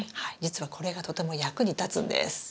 実はこれがとても役に立つんです。